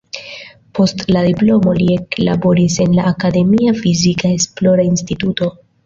Post la diplomo li eklaboris en la akademia fizika esplora instituto.